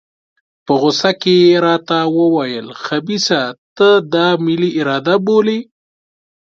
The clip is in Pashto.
په غوسه کې یې راته وویل خبیثه ته دا ملي اراده بولې.